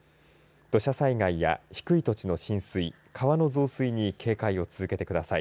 土砂災害や低い土地の浸水川の増水に警戒を続けてください。